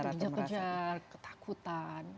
merasa dikejar kejar ketakutan